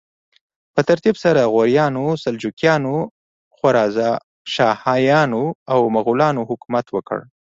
په ترتیب سره غوریانو، سلجوقیانو، خوارزمشاهیانو او مغولانو حکومت وکړ.